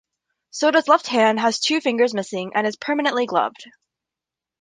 Soda's left hand has two fingers missing and is permanently gloved.